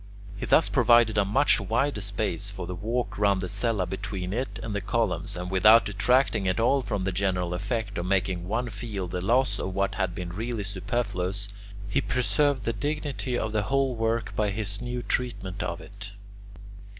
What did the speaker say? He thus provided a much wider space for the walk round the cella between it and the columns, and without detracting at all from the general effect, or making one feel the loss of what had been really superfluous, he preserved the dignity of the whole work by his new treatment of it.